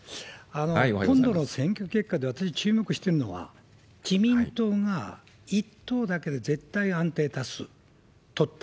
今度の選挙結果で私、注目してるのは、自民党が１党だけで絶対安定多数取った。